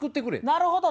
なるほど。